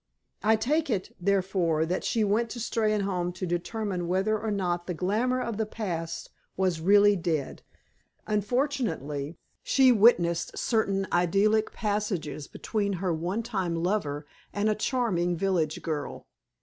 I take it, therefore, that she went to Steynholme to determine whether or not the glamour of the past was really dead. Unfortunately, she witnessed certain idyllic passages between her one time lover and a charming village girl.